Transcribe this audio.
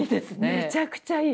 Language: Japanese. めちゃくちゃいい！